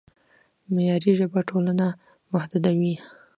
معیاري ژبه ټولنه متحدوي.